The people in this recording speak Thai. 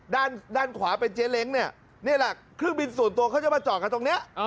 ด้านด้านขวาเป็นเจ๊เล้งเนี่ยนี่แหละเครื่องบินส่วนตัวเขาจะมาจอดกันตรงนี้